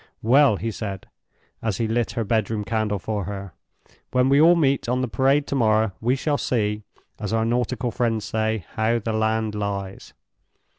"Well," he said, as he lit her bedroom candle for her, "when we all meet on the Parade tomorrow, we shall see, as our nautical friends say, how the land lies.